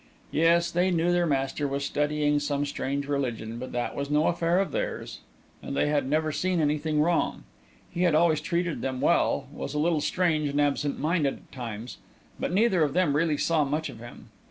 Yes, they knew their master was studying some strange religion, but that was no affair of theirs, and they had never seen anything wrong. He had always treated them well; was a little strange and absent minded at times; but neither of them really saw much of him.